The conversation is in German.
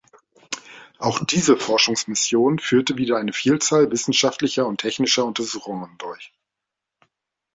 Auch diese Forschungsmission führte wieder eine Vielzahl wissenschaftlicher und technischer Untersuchungen durch.